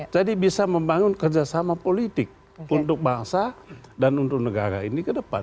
jadi bisa membangun kerjasama politik untuk bangsa dan untuk negara ini ke depan